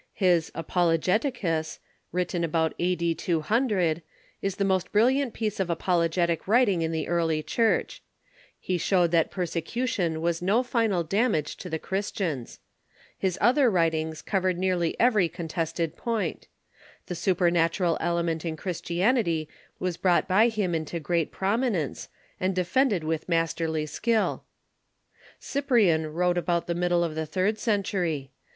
His " Apologeticus," written about A.D. 200, is the most brilliant piece of apologetic writing in the Early Church, lie showed that persecution Roman ^^^^ gj ,g^j damage to the Christians. His other Apologists ^ 1 • rrii writings covered nearly every contested pomt. J he supernatural element in Christianity was brought by him into great prominence, and defended with masterly skill. Cyprian Avrote about the middle of the third century.